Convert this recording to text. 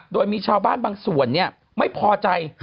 โดยมีชาวบ้านบางส่วนไม่พอใจ